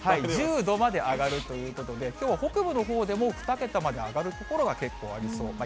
１０度まで上がるということで、きょう北部のほうでも、２桁まで上がる所が結構ありそう。